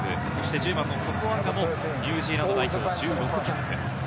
１０番のソポアンガもニュージーランド代表１６キャップ。